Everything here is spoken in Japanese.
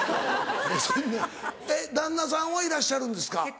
えっ旦那さんはいらっしゃるんですか？